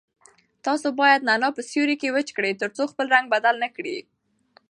تاسو باید نعناع په سیوري کې وچ کړئ ترڅو خپل رنګ بدل نه کړي.